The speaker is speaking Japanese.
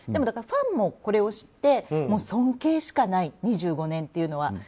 だからファンもこれを知って尊敬しかない２５年というのは。